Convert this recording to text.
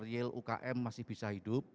real ukm masih bisa hidup